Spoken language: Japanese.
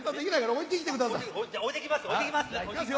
置いてきます。